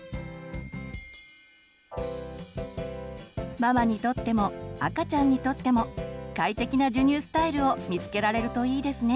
ママにとっても赤ちゃんにとっても快適な授乳スタイルを見つけられるといいですね。